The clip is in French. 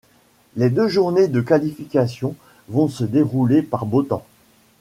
Les deux journées de qualification vont se dérouler par beau temps.